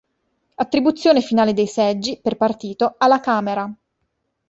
Attribuzione finale dei seggi, per partito, alla Camera.